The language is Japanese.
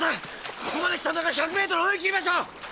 ここまで来たんだから１００メートル泳ぎ切りましょう！